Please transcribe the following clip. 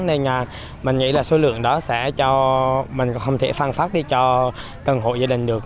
nên mình nghĩ là số lượng đó sẽ cho mình không thể phan phát đi cho tầng hộ gia đình được